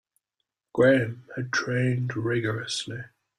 Graham had trained rigourously.